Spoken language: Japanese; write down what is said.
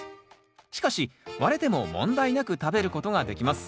しかし割れても問題なく食べることができます。